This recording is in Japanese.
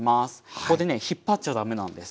ここでね引っ張っちゃ駄目なんです。